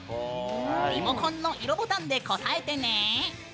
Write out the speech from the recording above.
リモコンの色ボタンで答えてね。